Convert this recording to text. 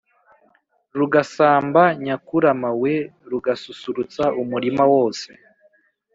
Rusagamba nyakurama we rugasusurutsa umurima wose